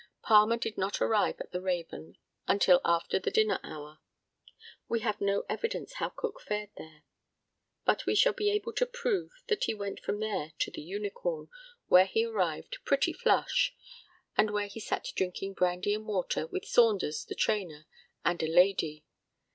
Palmer did not arrive at the Raven until after the dinner hour. We have no evidence how Cook fared there; but we shall be able to prove that he went from there to the Unicorn, where he arrived pretty flush, and where he sat drinking brandy and water with Saunders the trainer and a lady.